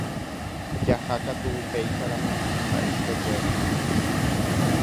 Jahákatu upécharamo ha'e chupekuéra